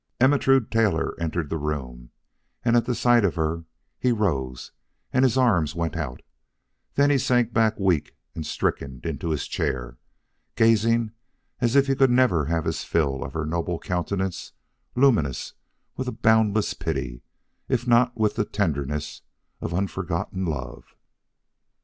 Ermentrude Taylor entered the room and at the sight of her he rose and his arms went out; then he sank back weak and stricken into his chair, gazing as if he could never have his fill at her noble countenance luminous with a boundless pity if not with the tenderness of an unforgotten love.